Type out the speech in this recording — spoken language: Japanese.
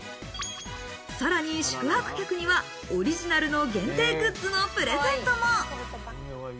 さらに宿泊客にはオリジナルの限定グッズのプレゼントも。